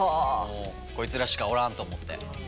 もうこいつらしかおらんと思って。